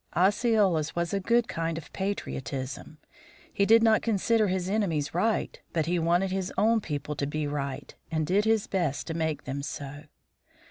Osceola's was a good kind of patriotism he did not consider his enemies right, but he wanted his own people to be right, and did his best to make them so.